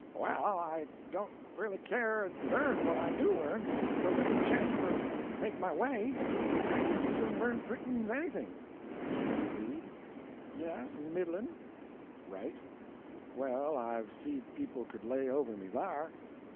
"Well, I don't re'ly k'yer a durn what I DO learn, so's I git a chance fur to make my way. I'd jist as soon learn print'n's anything." "Can you read?" "Yes middlin'." "Write?" "Well, I've seed people could lay over me thar."